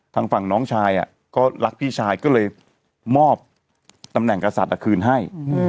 ทางฝั่งน้องชายก็รักพี่ชายก็เลยมอบตำแหน่งกษัตริย์คืนให้